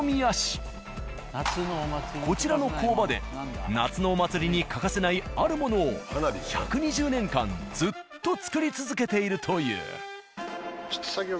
こちらの工場で夏のお祭りに欠かせないあるものを１２０年間ずっと作り続けているという。